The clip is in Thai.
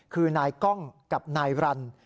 คือนายกล้องกับนายรัน